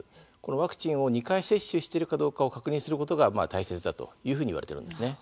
ワクチンを２回接種しているかどうかを確認することが大切だと言われています。